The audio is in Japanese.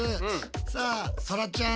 さあそらちゃん